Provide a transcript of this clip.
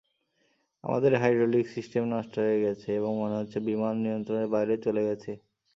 আমাদের hydraulics system নষ্ট হয়ে গেছে এবং মনে হচ্ছে বিমান নিয়ন্ত্রণের বাইরে চলে গেছে।